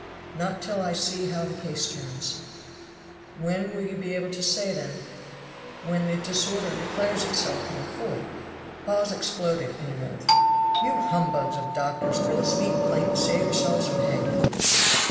"Not till I see how the case turns." "When will you be able to say then?" "When the disorder declares itself more fully." Hawes exploded in an oath. "You humbugs of doctors couldn't speak plain to save yourselves from hanging."